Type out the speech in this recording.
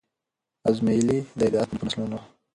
آزمیېلی دی دا اصل په نسلونو